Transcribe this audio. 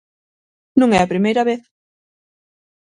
Non é a primeira vez.